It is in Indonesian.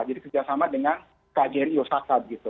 jadi kerjasama dengan kjri osaka begitu